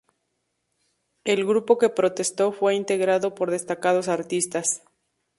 El grupo que protestó fue integrado por destacados artistas.